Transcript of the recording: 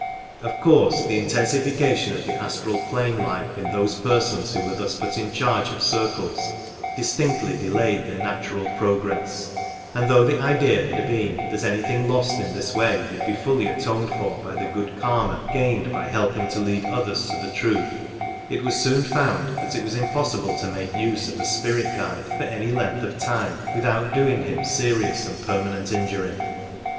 Of course the intensification of the astral plane life in those persons who were thus put in charge of circles distinctly de layed their natural progress ; and though the idea had been that anything lost in this way would be fully atoned for by So the good Karma gained by helping to lead others to the truth, it was soon found that it was impossible to make use of a "spirit guide" for any length of time without doing him serious and permanent injury.